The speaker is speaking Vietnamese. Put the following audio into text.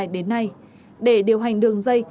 đến nay để điều hành đường dây